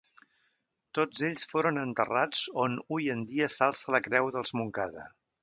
Tots ells foren enterrats on hui en dia s'alça la Creu dels Montcada.